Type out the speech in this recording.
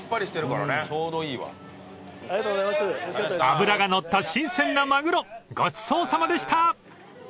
［脂が乗った新鮮なマグロごちそうさまでした！］